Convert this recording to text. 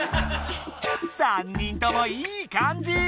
３人ともいいかんじ！